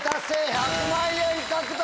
１００万円獲得！